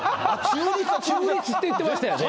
中立って言ってましたよね。